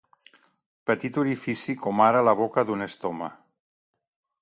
Petit orifici, com ara la boca d'un estoma.